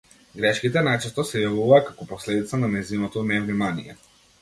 Грешките најчесто се јавуваа како последица на нејзиното невнимание.